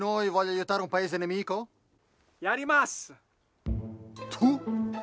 「やります」